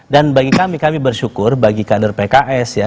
dan bagi kami kami bersyukur bagi kader pks ya